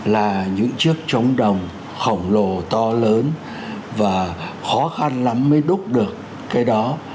là những chiếc trống đồng khổng lồ to lớn và khó khăn lắm mới đúc được cái đó